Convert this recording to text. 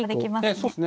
そうですね。